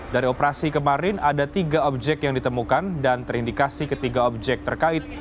dari operasi kemarin ada tiga objek yang ditemukan dan terindikasi ketiga objek terkait